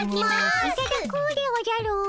いただくでおじゃる。